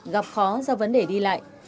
gặp khó do vấn đề đi lại